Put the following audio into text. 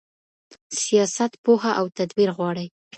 سياست پوهه او تدبير غواړي.